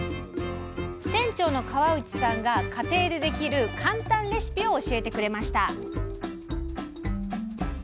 店長の河内さんが家庭でできる簡単レシピを教えてくれました